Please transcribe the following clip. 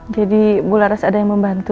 jadi bu laras ada yang membantu